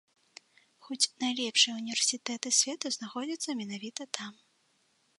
Хоць найлепшыя ўніверсітэты свету знаходзяцца менавіта там.